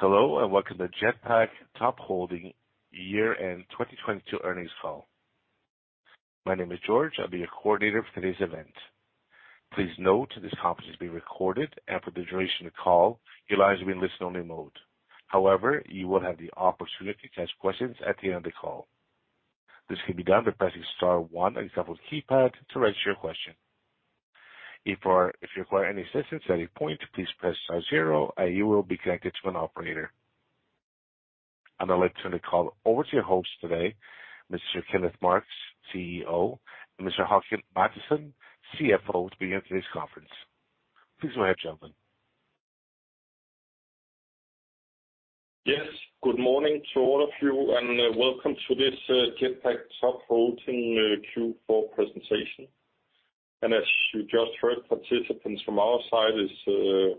Hello, welcome to Jetpak Top Holding year-end 2022 earnings call. My name is George, I'll be your coordinator for today's event. Please note this conference is being recorded, and for the duration of the call, your line will be in listen only mode. However, you will have the opportunity to ask questions at the end of the call. This can be done by pressing star one on your telephone keypad to register your question. If you require any assistance at any point, please press star zero, and you will be connected to an operator. I'd like to turn the call over to your hosts today, Mr. Kenneth Marx, CEO, and Mr. Håkan Mattisson, CFO, to begin today's conference. Please go ahead, gentlemen. Yes, good morning to all of you, and welcome to this Jetpak Top Holding Q4 presentation. As you just heard, participants from our side is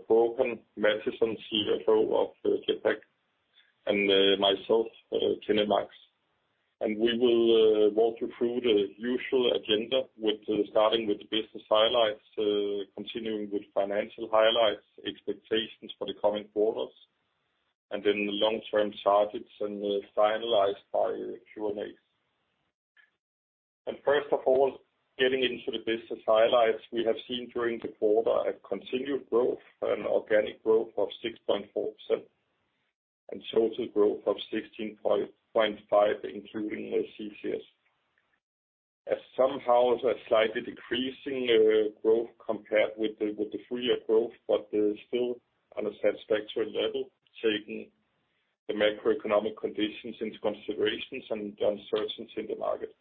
Håkan Mattisson, CFO of Jetpak, and myself, Kenneth Marx. We will walk you through the usual agenda with starting with the business highlights, continuing with financial highlights, expectations for the coming quarters, and then the long-term targets, and finalized by Q&A. First of all, getting into the business highlights, we have seen during the quarter a continued growth and organic growth of 6.4%, and total growth of 16.5 including the CTS. As somehow it's a slightly decreasing growth compared with the 3-year growth, but still on a satisfactory level, taking the macroeconomic conditions into considerations and the uncertainties in the market.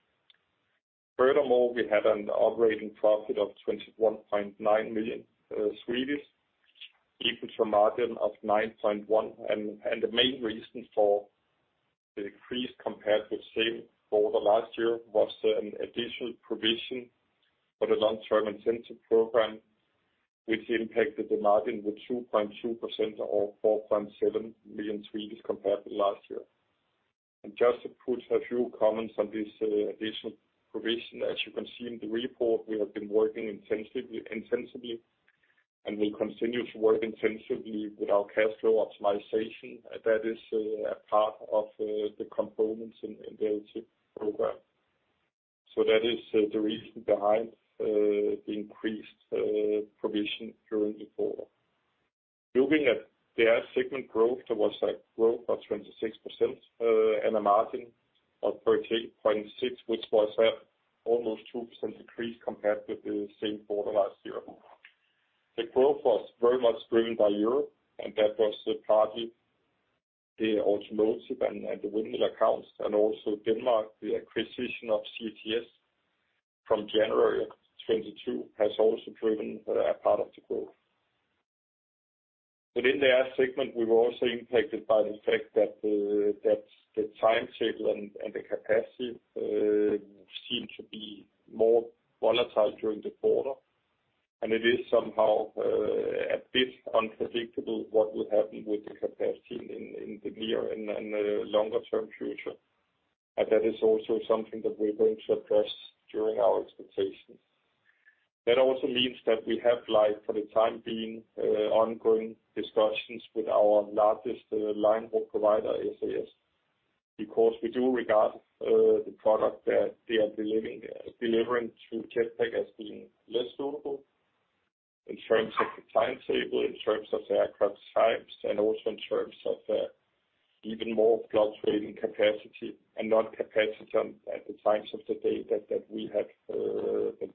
Furthermore, we had an operating profit of 21.9 million, equal to a margin of 9.1%. The main reason for the increase compared with same quarter last year was an additional provision for the long-term incentive program which impacted the margin with 2.2% of 4.7 million compared to last year. Just to put a few comments on this additional provision, as you can see in the report, we have been working intensively, and we continue to work intensively with our cash flow optimization. That is a part of the components in the program. That is the reason behind the increased provision during the quarter. Looking at the Air segment growth, there was, like, growth of 26%, and a margin of 13.6% which was at almost 2% decrease compared with the same quarter last year. The growth was very much driven by Europe, that was partly the automotive and the windmill accounts, and also Denmark. The acquisition of CTS from January 2022 has also driven a part of the growth. In the Air segment, we were also impacted by the fact that the timetable and the capacity seem to be more volatile during the quarter. It is somehow a bit unpredictable what will happen with the capacity in the near and longer term future. That is also something that we're going to address during our expectations. That also means that we have, like, for the time being, ongoing discussions with our largest line haul provider, SAS, because we do regard the product that they are delivering through Jetpak as being less suitable in terms of the timetable, in terms of the aircraft types, and also in terms of even more fluctuating capacity and not capacity at the times of the day that we have that we demand.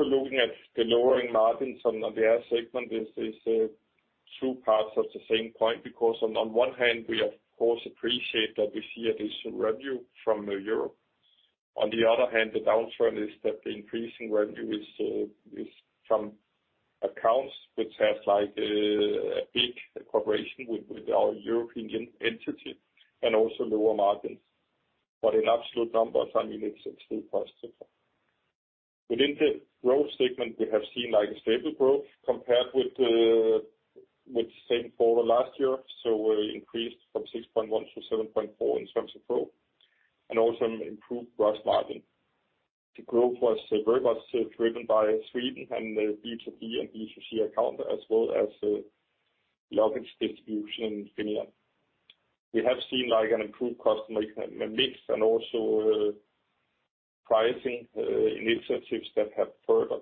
Looking at the lowering margins on the Air segment is two parts of the same point because on one hand we of course appreciate that we see additional revenue from Europe. On the other hand, the downside is that the increasing revenue is from accounts which have like a big cooperation with our European entity and also lower margins. In absolute numbers, I mean, it's still positive. Within the Express Road segment, we have seen like a stable growth compared with the same quarter last year. We increased from 6.1% to 7.4% in terms of growth and also improved gross margin. The growth was very much driven by Sweden and the B2B and B2C account, as well as luggage distribution in Finland. We have seen like an improved customer mix and also pricing initiatives that have further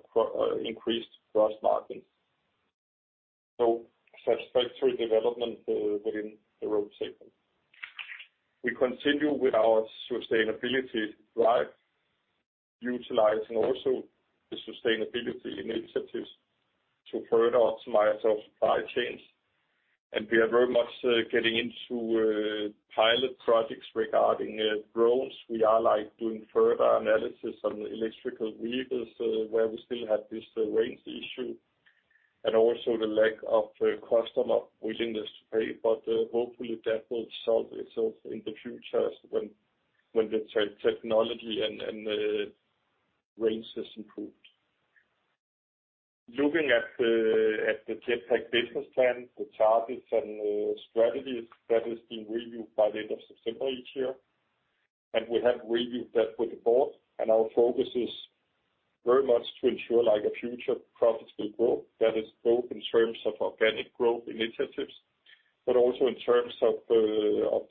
increased gross margins. Satisfactory development within the Express Road segment. We continue with our sustainability drive, utilizing also the sustainability initiatives to further optimize our supply chains. We are very much getting into pilot projects regarding drones. We are like doing further analysis on electrical vehicles, where we still have this range issue, and also the lack of customer willingness to pay. Hopefully that will solve itself in the future as when the technology and range is improved. Looking at the Jetpak business plan, the targets and strategies, that is being reviewed by the end of September each year. We have reviewed that with the board, and our focus is very much to ensure like a future profitable growth. That is growth in terms of organic growth initiatives, but also in terms of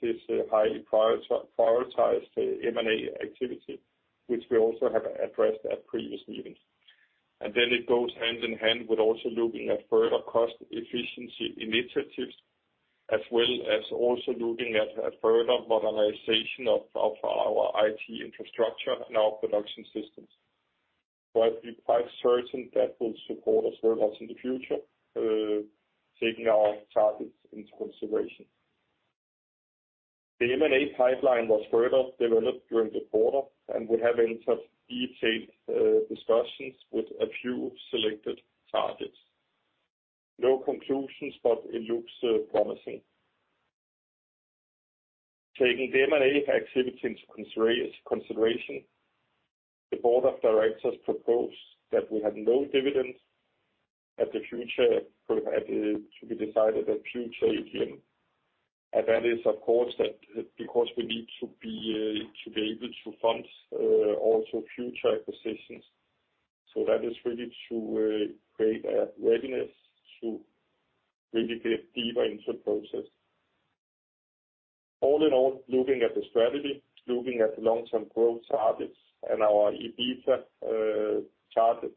this highly prioritized M&A activity, which we also have addressed at previous meetings. It goes hand in hand with also looking at further cost efficiency initiatives, as well as also looking at further modernization of our IT infrastructure and our production systems. We're quite certain that will support us very much in the future, taking our targets into consideration. The M&A pipeline was further developed during the quarter, and we have entered detailed discussions with a few selected targets. No conclusions, but it looks promising. Taking the M&A activity into consideration, the board of directors proposed that we have no dividends to be decided at future AGM. That is, of course, that because we need to be able to fund also future acquisitions. That is really to create a readiness to really get deeper into the process. All in all, looking at the strategy, looking at the long-term growth targets and our EBITDA target,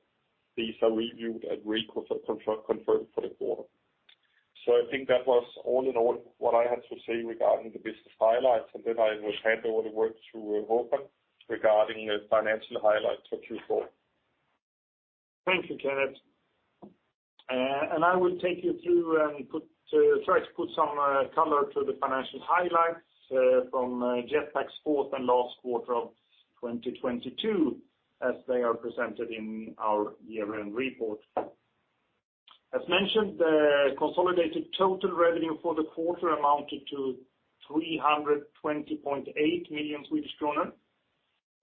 these are reviewed and reconfirmed for the quarter. I think that was all in all what I had to say regarding the business highlights. I will hand over the word to Håkan regarding the financial highlights for Q4. Thank you, Kenneth. I will take you through and put, try to put some, color to the financial highlights, from, Jetpak's fourth and last quarter of 2022, as they are presented in our year-end report. As mentioned, the consolidated total revenue for the quarter amounted to 320.8 million Swedish kronor.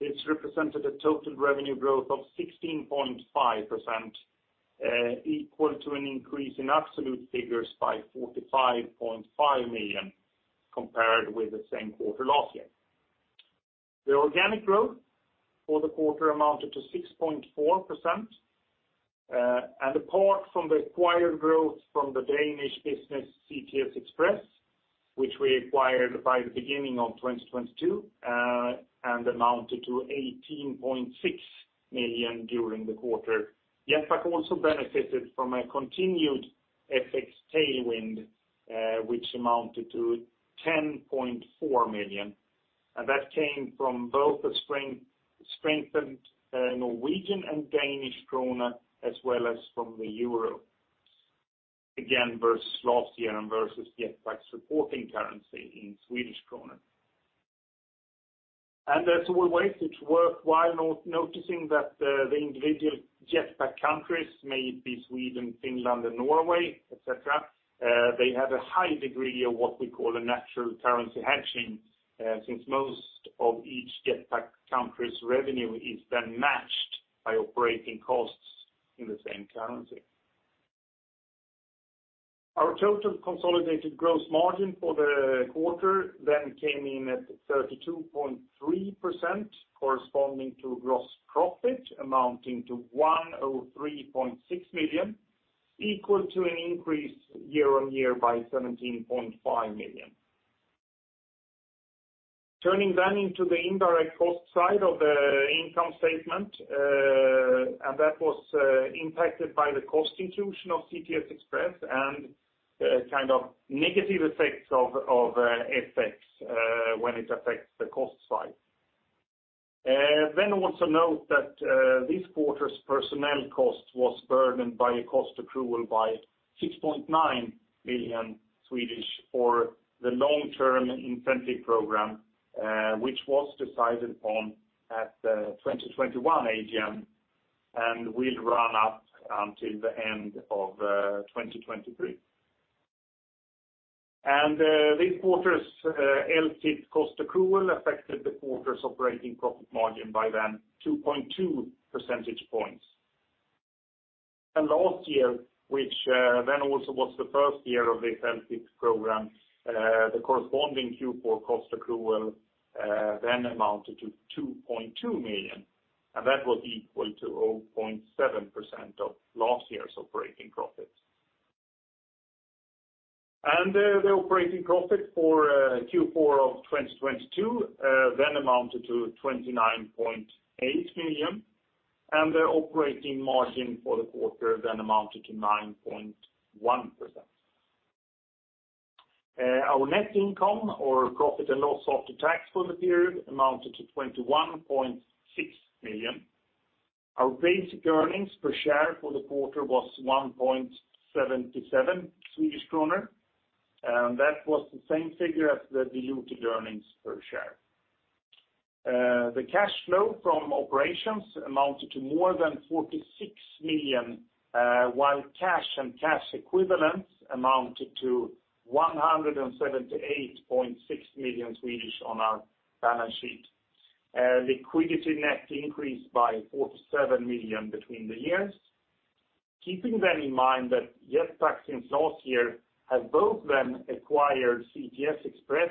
This represented a total revenue growth of 16.5%, equal to an increase in absolute figures by 45.5 million compared with the same quarter last year. The organic growth for the quarter amounted to 6.4%, and apart from the acquired growth from the Danish business CTS Express, which we acquired by the beginning of 2022, and amounted to 18.6 million during the quarter. Jetpak also benefited from a continued FX tailwind, which amounted to 10.4 million. That came from both the strengthened NOK and DKK as well as from the EUR. Again, versus last year and versus Jetpak's reporting currency in SEK. As always, it's worthwhile noticing that the individual Jetpak countries, may it be Sweden, Finland, and Norway, et cetera, they have a high degree of what we call a natural currency hedging, since most of each Jetpak country's revenue is then matched by operating costs in the same currency. Our total consolidated gross margin for the quarter then came in at 32.3%, corresponding to gross profit amounting to 103.6 million, equal to an increase year-over-year by 17.5 million. Turning into the indirect cost side of the income statement, that was impacted by the cost inclusion of CTS Express and kind of negative effects of FX when it affects the cost side. Also note that this quarter's personnel cost was burdened by a cost accrual by 6.9 million for the long-term incentive program, which was decided upon at the 2021 AGM and will run up until the end of 2023. This quarter's LTIP cost accrual affected the quarter's operating profit margin by then 2.2 percentage points. Last year, which also was the first year of this LTIP program, the corresponding Q4 cost accrual then amounted to 2.2 million, and that was equal to 0.7% of last year's operating profits. The operating profit for Q4 of 2022 then amounted to 29.8 million, and the operating margin for the quarter then amounted to 9.1%. Our net income or profit and loss after tax for the period amounted to 21.6 million. Our basic earnings per share for the quarter was 1.77 Swedish kroner, and that was the same figure as the diluted earnings per share. The cash flow from operations amounted to more than 46 million, while cash and cash equivalents amounted to 178.6 million Swedish on our balance sheet. Liquidity net increased by 47 million between the years. Keeping that in mind that Jetpak since last year has both then acquired CTS Express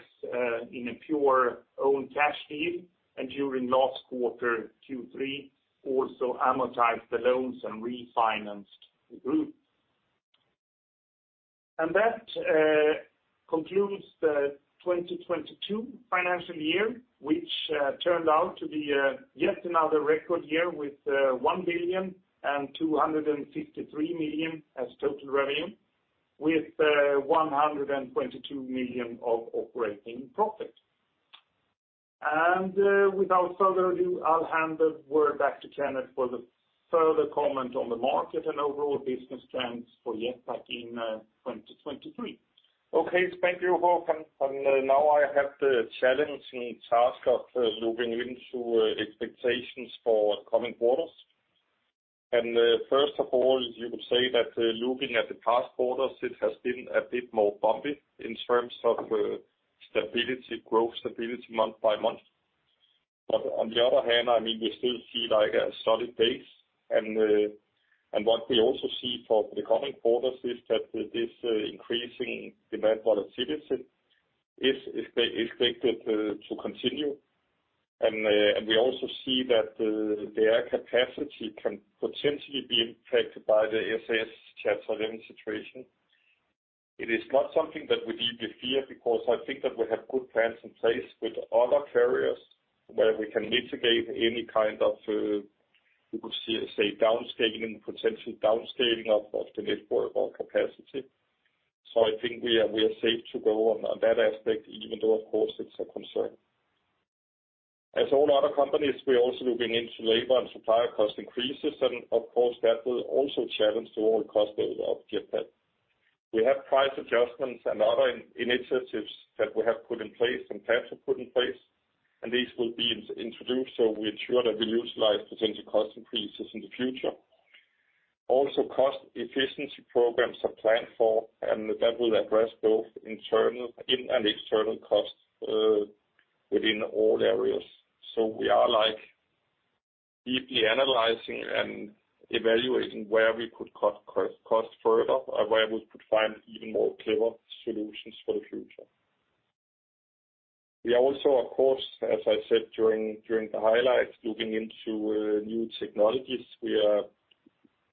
in a pure own cash deal, and during last quarter, Q3, also amortized the loans and refinanced the group. That concludes the 2022 financial year, which turned out to be yet another record year with 1,253 million as total revenue, with 122 million of operating profit. Without further ado, I'll hand the word back to Kenneth for the further comment on the market and overall business trends for Jetpak in 2023. Okay. Thank you, Håkan. Now I have the challenging task of looking into expectations for coming quarters. First of all, you could say that looking at the past quarters, it has been a bit more bumpy in terms of stability, growth stability month by month. On the other hand, I mean, we still see like a solid base. What we also see for the coming quarters is that this increasing demand for the citizen is expected to continue. We also see that the air capacity can potentially be impacted by the SAS Chapter 11 situation. It is not something that we deeply fear because I think that we have good plans in place with other carriers where we can mitigate any kind of, you could say, downscaling, potential downscaling of the network or capacity. I think we are safe to go on that aspect, even though, of course, it's a concern. As all other companies, we're also looking into labor and supplier cost increases. Of course, that will also challenge the overall cost of Jetpak. We have price adjustments and other initiatives that we have put in place and plans to put in place, and these will be introduced, so we ensure that we utilize potential cost increases in the future. Cost efficiency programs are planned for, and that will address both internal and external costs within all areas. We are like deeply analyzing and evaluating where we could cut cost further or where we could find even more clever solutions for the future. We are also, of course, as I said during the highlights, looking into new technologies. We are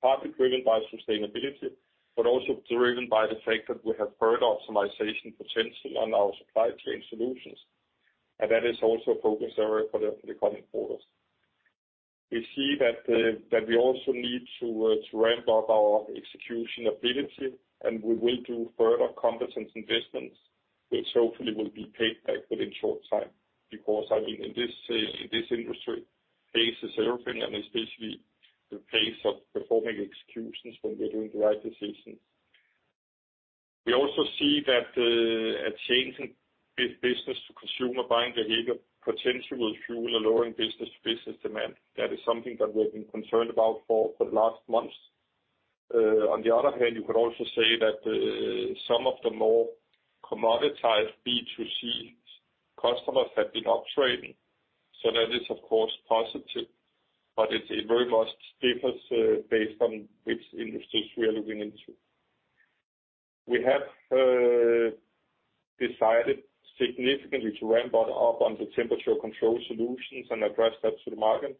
partly driven by sustainability, but also driven by the fact that we have further optimization potential on our supply chain solutions, and that is also a focus area for the coming quarters. We see that we also need to ramp up our execution ability, and we will do further competence investments, which hopefully will be paid back within short time. I mean, in this industry, pace is everything, and especially the pace of performing executions when we're doing the right decisions. We also see that a change in B2C buying behavior potentially will fuel a lowering B2B demand. That is something that we have been concerned about for the last months. On the other hand, you could also say that some of the more commoditized B2C customers have been up-trading. That is of course positive, but it very much differs, based on which industries we are looking into. We have, decided significantly to ramp on up on the Temperature-Controlled solutions and address that to the market.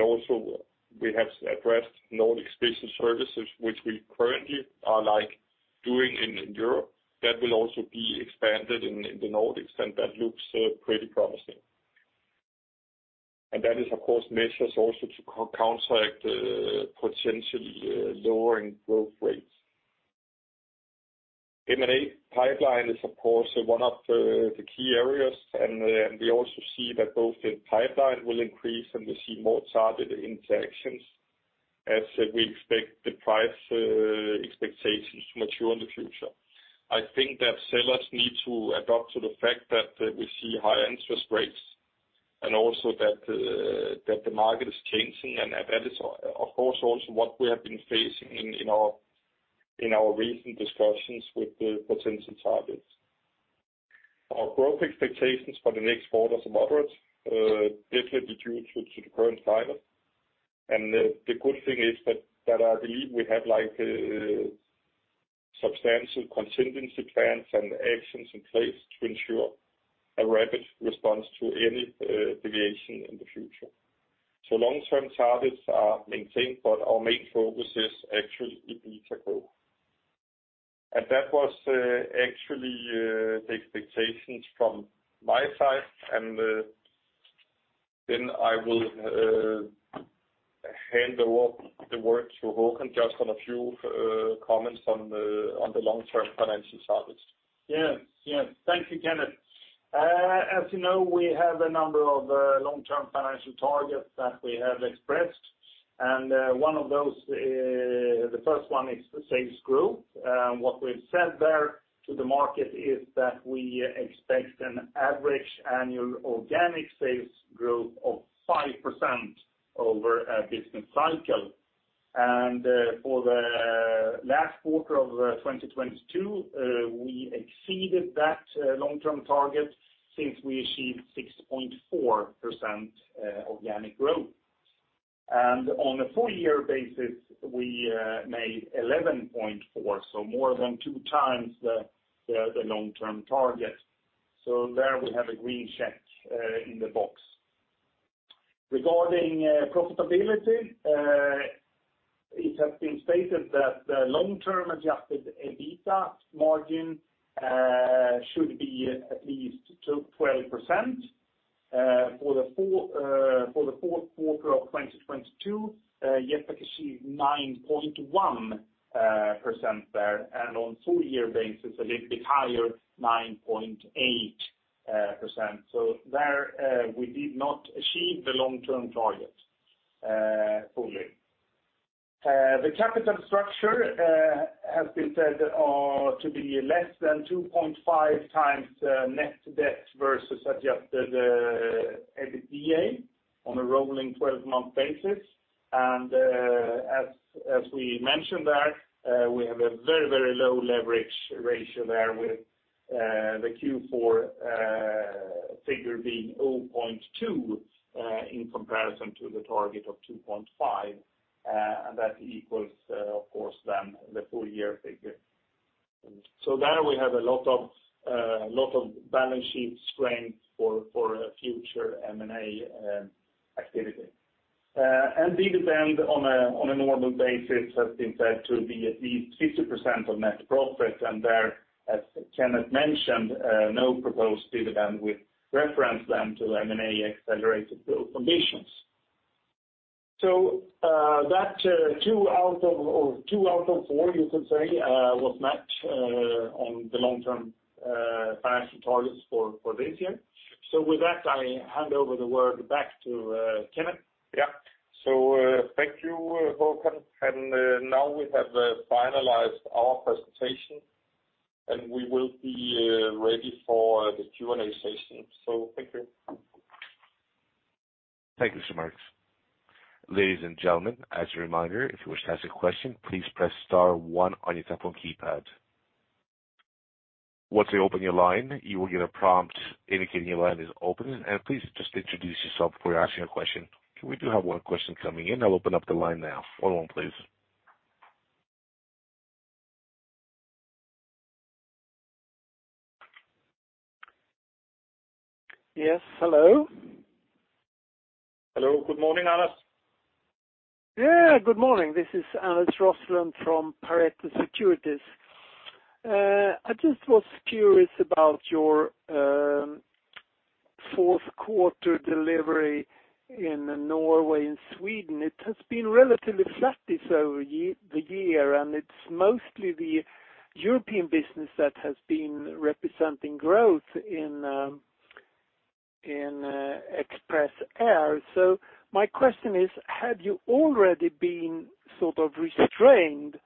Also we have addressed Nordic special services, which we currently are like doing in Europe. That will also be expanded in the Nordics, and that looks, pretty promising. That is of course measures also to counteract, potential, lowering growth rates. M&A pipeline is of course one of the key areas. We also see that both the pipeline will increase, and we see more targeted interactions as we expect the price, expectations to mature in the future. I think that sellers need to adapt to the fact that we see higher interest rates and also that the market is changing. That is, of course, also what we have been facing in our recent discussions with the potential targets. Our growth expectations for the next quarter is moderate, definitely due to the current climate. The good thing is that I believe we have like substantial contingency plans and actions in place to ensure a rapid response to any deviation in the future. Long-term targets are maintained, but our main focus is actually EBITDA growth. That was actually the expectations from my side. Then I will hand over the word to Håkan, just on a few comments on the long-term financial targets. Yes. Yes. Thank you, Kenneth. As you know, we have a number of long-term financial targets that we have expressed. The first one is sales growth. What we've said there to the market is that we expect an average annual organic sales growth of 5% over a business cycle. For the last quarter of 2022, we exceeded that long-term target since we achieved 6.4% organic growth. On a full year basis, we made 11.4%, so more than two times the long-term target. There we have a green check in the box. Regarding profitability, it has been stated that the long-term adjusted EBITDA margin should be at least 12%. For the fourth quarter of 2022, Jetpak achieved 9.1% there, and on full-year basis, a little bit higher, 9.8%. There, we did not achieve the long-term target fully. The capital structure has been said to be less than 2.5x net debt versus adjusted EBITDA on a rolling 12-month basis. As we mentioned there, we have a very, very low leverage ratio there with the Q4 figure being 0.2 in comparison to the target of 2.5, and that equals of course then the full-year figure. There we have a lot of balance sheet strength for future M&A activity. Dividend on a, on a normal basis has been said to be at least 50% of net profit. There, as Kenneth mentioned, no proposed dividend with reference then to M&A accelerated growth ambitions. That, two out of or two out of four, you could say, was met, on the long term, financial targets for this year. With that, I hand over the word back to Kenneth. Yeah. Thank you, Håkan. Now we have finalized our presentation, and we will be ready for the Q&A session. Thank you. Thank you, Mr. Marx. Ladies and gentlemen, as a reminder, if you wish to ask a question, please press star one on your telephone keypad. Once we open your line, you will get a prompt indicating your line is open. Please just introduce yourself before asking a question. We do have one question coming in. I'll open up the line now. Hold on, please. Yes, hello? Hello. Good morning, Anders. Good morning. This is Anders Roslund from Pareto Securities. I just was curious about your fourth quarter delivery in Norway and Sweden. It has been relatively flattish over the year, and it's mostly the European business that has been representing growth in Jetpak Air. My question is, had you already been sort of restrained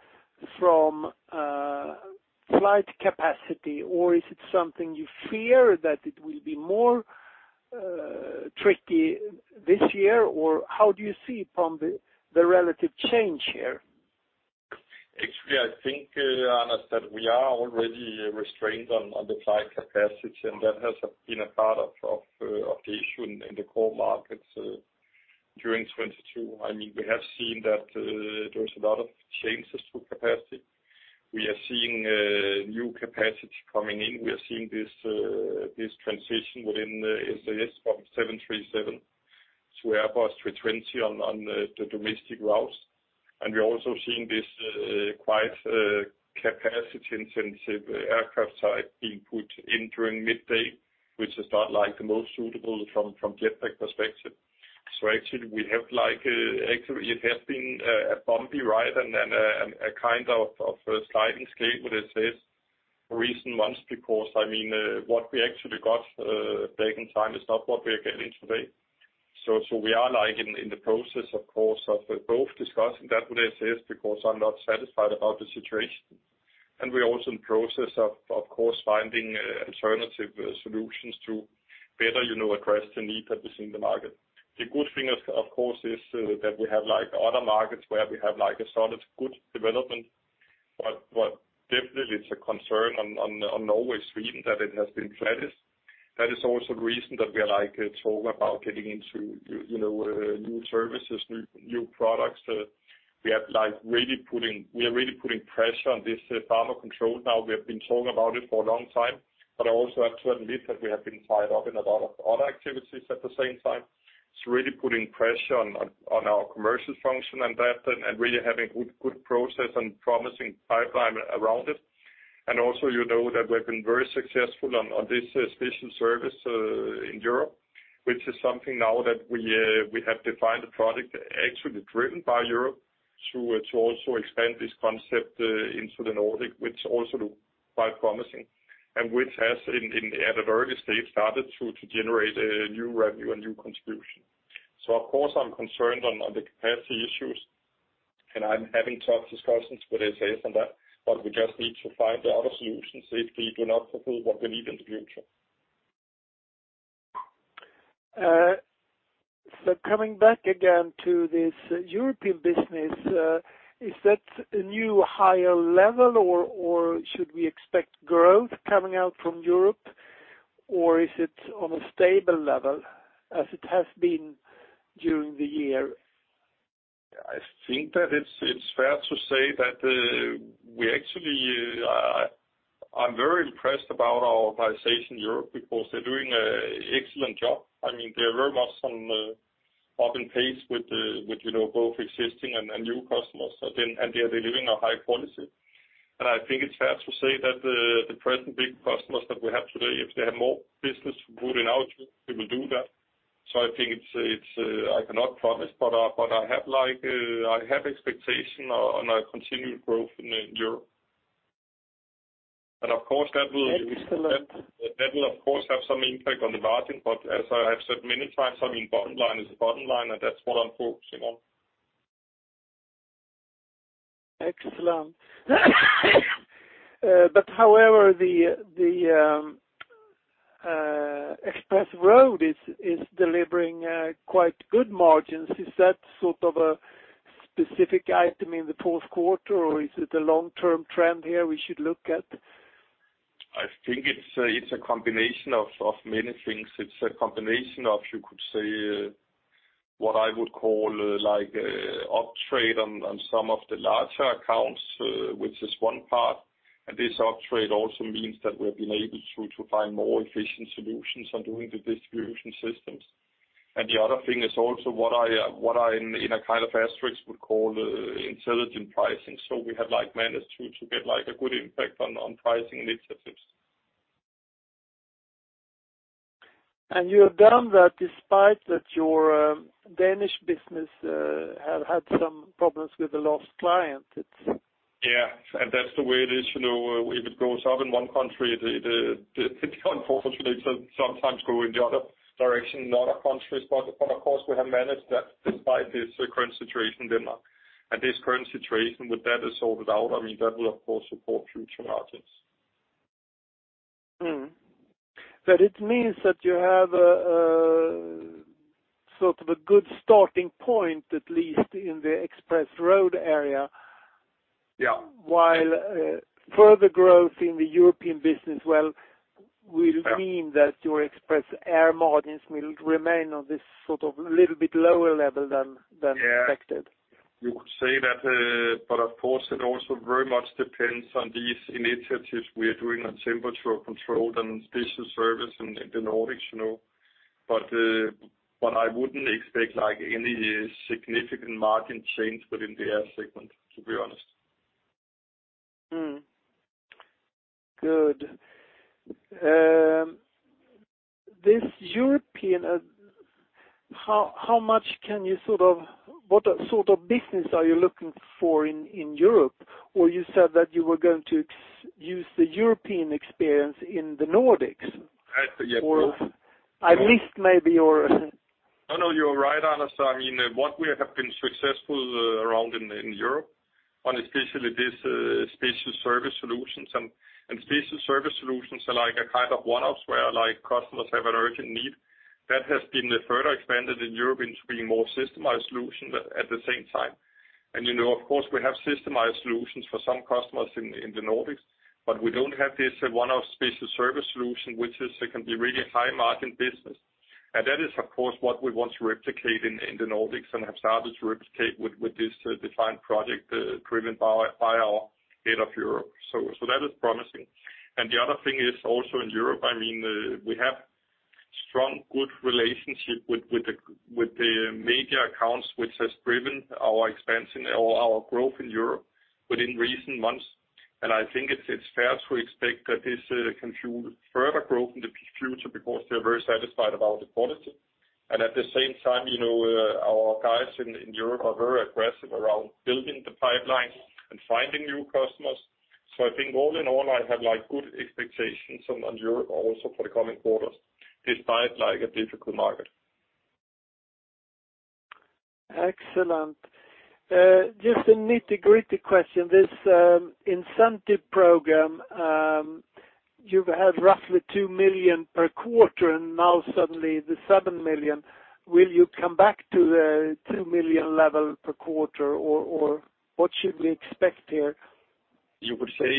from flight capacity, or is it something you fear that it will be more tricky this year? How do you see from the relative change here? Actually, I think, Anders, that we are already restrained on the flight capacity, and that has been a part of the issue in the core markets, during 2022. I mean, we have seen that there's a lot of changes to capacity. We are seeing new capacity coming in. We are seeing this transition within SAS from 737 to Airbus 320 on the domestic routes. We're also seeing this quite capacity-intensive aircraft type being put in during midday, which is not like the most suitable from Jetpak perspective. Actually we have like, actually it has been a bumpy ride and then, and a kind of sliding scale with SAS recent months because, I mean, what we actually got back in time is not what we are getting today. We are like in the process of course of both discussing that with SAS because I'm not satisfied about the situation. We're also in process of course, finding alternative solutions to better, you know, address the need that is in the market. The good thing of course is that we have like other markets where we have like a solid good development. What definitely is a concern on Norway, Sweden, that it has been flattish. That is also the reason that we are like talk about getting into, you know, new services, new products. We are like really putting pressure on this PharmaControl now. We have been talking about it for a long time, but I also have to admit that we have been tied up in a lot of other activities at the same time. It's really putting pressure on our commercial function and that, and really having good process and promising pipeline around it. Also, you know that we've been very successful on this special service in Europe, which is something now that we have defined a product actually driven by Europe to also expand this concept into the Nordic, which also look quite promising and which has in at an early stage started to generate a new revenue and new contribution. Of course, I'm concerned on the capacity issues, and I'm having tough discussions with SAS on that, but we just need to find other solutions if we do not fulfill what we need in the future. Coming back again to this European business, is that a new higher level or should we expect growth coming out from Europe or is it on a stable level as it has been during the year? I think that it's fair to say that we actually I'm very impressed about our organization in Europe because they're doing excellent job. I mean, they're very much on up in pace with with, you know, both existing and new customers. They're delivering a high quality. I think it's fair to say that the present big customers that we have today, if they have more business routing out, we will do that. I think it's I cannot promise, but I, but I have like I have expectation on a continued growth in Europe. Of course, that. Excellent. That will, of course, have some impact on the margin. As I have said many times, I mean, bottom line is the bottom line, and that's what I'm focusing on. Excellent. However, the Express Road is delivering quite good margins. Is that sort of a specific item in the fourth quarter, or is it a long-term trend here we should look at? I think it's a combination of many things. It's a combination of, you could say, what I would call like uptrade on some of the larger accounts, which is one part. This uptrade also means that we have been able to find more efficient solutions on doing the distribution systems. The other thing is also what I, what I, in a kind of asterisk, would call intelligent pricing. We have, like, managed to get, like, a good impact on pricing initiatives. You have done that despite that your Danish business had some problems with the lost client. Yeah. That's the way it is, you know. If it goes up in one country, the, unfortunately, sometimes go in the other direction in other countries. Of course, we have managed that despite this current situation in Denmark. This current situation, when that is sorted out, I mean, that will of course support future margins. It means that you have a sort of a good starting point, at least in the Express Road area. Yeah. Further growth in the European business, well, will mean that your Express Air margins will remain on this sort of little bit lower level than expected. Yeah. You could say that, but of course, it also very much depends on these initiatives we are doing on temperature control and special service in the Nordics, you know. I wouldn't expect, like, any significant margin change within the air segment, to be honest. Good. This European, how much can you what sort of business are you looking for in Europe? You said that you were going to use the European experience in the Nordics. Yeah. At least maybe your. No, no, you're right, Anders. I mean, what we have been successful, around in Europe on especially this, special service solutions. Special service solutions are like a kind of one-offs where, like, customers have an urgent need. That has been further expanded in Europe into being more systemized solutions at the same time. You know, of course, we have systemized solutions for some customers in the Nordics, but we don't have this one-off special service solution, which is, it can be really high-margin business. That is, of course, what we want to replicate in the Nordics and have started to replicate with this defined project, driven by our head of Europe. That is promising. The other thing is also in Europe, I mean, we have strong, good relationship with the media accounts, which has driven our expansion or our growth in Europe within recent months. I think it's fair to expect that this can fuel further growth in the future because they're very satisfied about the quality. At the same time, you know, our guys in Europe are very aggressive around building the pipeline and finding new customers. I think all in all, I have, like, good expectations on Europe also for the coming quarters, despite, like, a difficult market. Excellent. Just a nitty-gritty question. This incentive program, you've had roughly 2 million per quarter, and now suddenly the 7 million. Will you come back to the 2 million level per quarter or what should we expect here? You could say,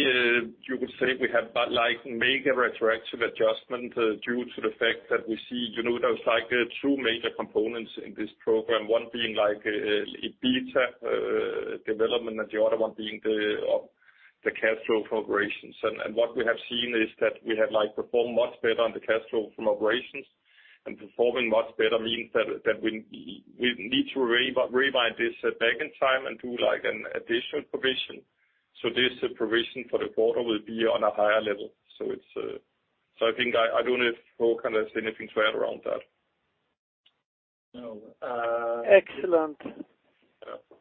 you could say we have like made a retroactive adjustment due to the fact that we see, you know, there's like two major components in this program. One being like EBITDA development, the other one being the cash flow from operations. What we have seen is that we have, like, performed much better on the cash flow from operations. Performing much better means that we need to revise this back in time and do like an additional provision. This provision for the quarter will be on a higher level. It's. I think I don't have, kind of, anything to add around that. No. Excellent. Yeah.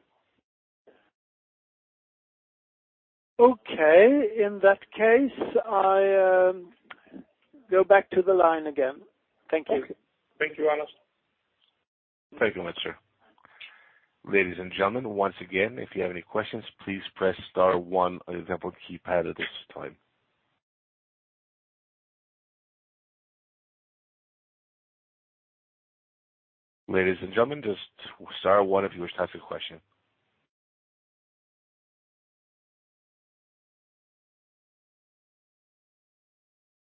Okay. In that case, I go back to the line again. Thank you. Thank you, Anders. Thank you much, sir. Ladies and gentlemen, once again, if you have any questions, please press star one on your keyboard keypad at this time. Ladies and gentlemen, just star one if you wish to ask a question.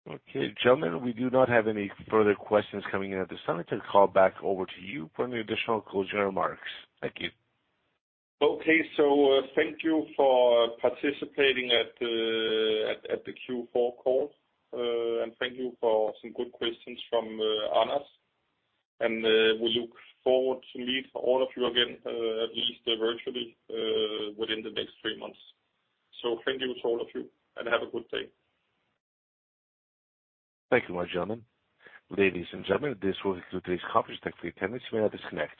Okay, gentlemen, we do not have any further questions coming in at this time. I shall call back over to you for any additional closing remarks. Thank you. Okay. Thank you for participating at the Q4 call. Thank you for some good questions from Anders. We look forward to meet all of you again, at least virtually, within the next three months. Thank you to all of you, and have a good day. Thank you, gentlemen. Ladies and gentlemen, this will conclude today's conference. Thank you for attending. You may now disconnect.